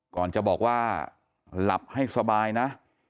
ก่อนจะบอกว่าหลับให้สบายนะ